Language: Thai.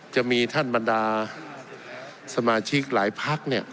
จะมีท่านบรรดาสมาชิกหลายพักเนี่ย